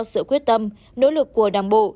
sự quyết tâm nỗ lực của đảng bộ